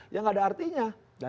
ya gak ada artinya